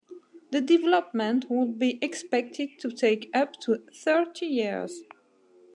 The development would be expected to take up to thirty years.